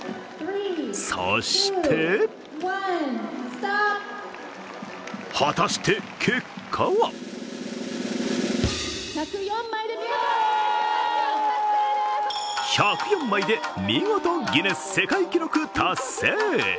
そして果たして結果は１０４枚で見事、ギネス世界記録達成。